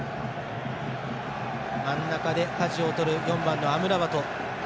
真ん中で舵を取る４番のアムラバト。